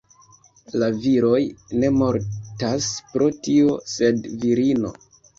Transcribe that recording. La viroj ne mortas pro tio, sed virino!